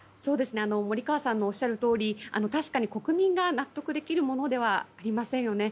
森川さんのおっしゃるとおり確かに国民が納得できるものではありませんよね。